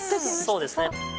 そうですね。